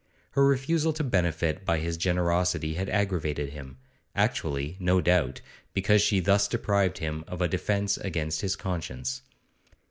Her refusal to benefit by his generosity had aggravated him; actually, no doubt, because she thus deprived him of a defence against his conscience.